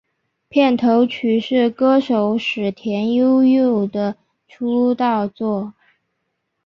片头曲是歌手矢田悠佑的出道作。